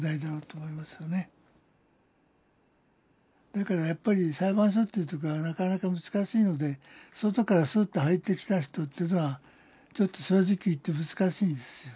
だからやっぱり裁判所というところはなかなか難しいので外からスッと入ってきた人というのはちょっと正直言って難しいんです。